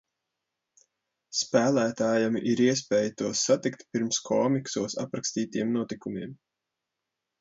Spēlētājam ir iespēja tos satikt pirms komiksos aprakstītiem notikumiem.